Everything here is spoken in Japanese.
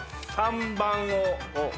３番を。